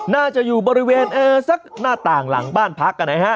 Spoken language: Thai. น่าจะอยู่บริเวณสักหน้าต่างหลังบ้านพักนะฮะ